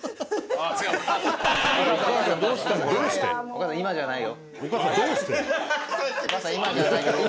「お母さん今じゃない」